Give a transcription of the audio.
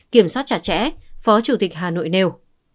kiểm soát chặt chẽ phó chủ tịch hà nội nêu